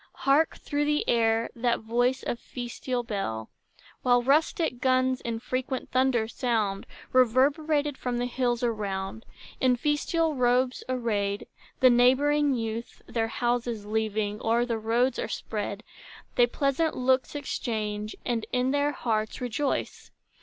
Hark, through the air, that voice of festal bell, While rustic guns in frequent thunders sound, Reverberated from the hills around. In festal robes arrayed, The neighboring youth, Their houses leaving, o'er the roads are spread; They pleasant looks exchange, and in their hearts Rejoice.